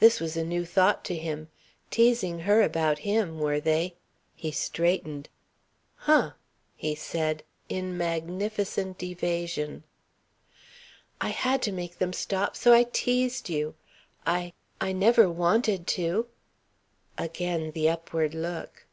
This was a new thought to him. Teasing her about him, were they? He straightened. "Huh!" he said, in magnificent evasion. "I had to make them stop, so I teased you. I I never wanted to." Again the upward look.